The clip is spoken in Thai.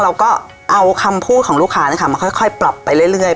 เราก็เอาคำพูดของลูกค้านะค่ะมาค่อยค่อยปรับไปเรื่อยเรื่อย